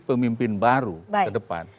pemimpin baru ke depan